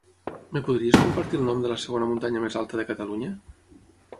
Em podries compartir el nom de la segona muntanya més alta de Catalunya?